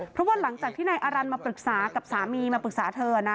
เพราะว่าหลังจากที่นายอารันมาปรึกษากับสามีมาปรึกษาเธอนะ